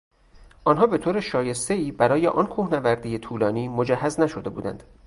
آنها به طور شایستهایبرای آن کوهنوردی طولانی مجهز نشده بودند.